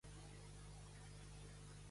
Què opina que pensa Mas sobre aquesta vista?